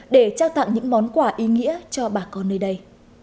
để trao tặng những món quà ý nghĩa cho bà con nơi đây